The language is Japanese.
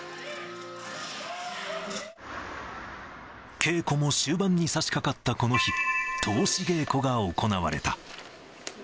稽古も終盤にさしかかったこの日、通し稽古が行われた。